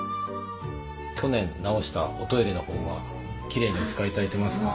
去年直したおトイレのほうはきれいにお使いいただいてますか？